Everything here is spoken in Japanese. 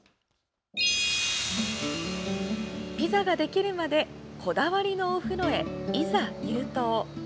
ピザができるまでこだわりのお風呂へ、いざ入湯。